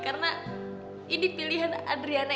karena ini pilihan adriana